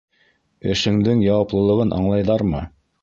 Эшеңдең яуаплылығын аңлайҙармы?